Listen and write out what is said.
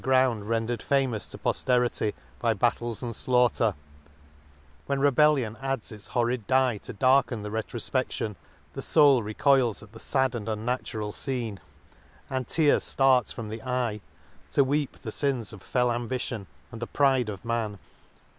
57 ground rendered famous to pofterity by battles and flaughter; — when rebellion adds its horrid die to darken the retro ipedlion, the foul recoils at the fad and unnatural fcene ; and tears flart from the eye, to weep the fins of fell ambition, and the pride of man.